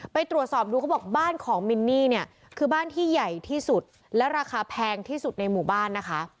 ไปตรวจสอบดูเขาบอกบ้านของมินนี่เนี่ยคือบ้านที่ใหญ่ที่สุดและราคาแพงที่สุดในหมู่บ้านนะคะ